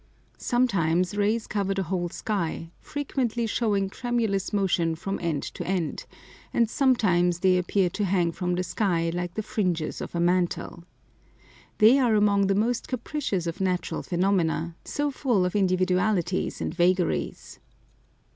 Sometimes rays cover the whole sky, frequently showing tremulous motion from end to end; and sometimes they appear to hang from the sky like the fringes of a mantle. They are among the most capricious of natural phenomena, so full of individualities and vagaries.